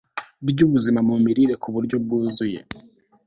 ryubuzima mu mirire ku buryo bwuzuye